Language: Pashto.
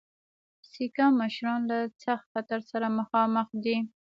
سیکه مشران له سخت خطر سره مخامخ دي.